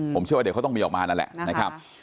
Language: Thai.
ผมเชื่อว่าเดี๋ยวเขาต้องมีออกมานั่นแหละนะครับ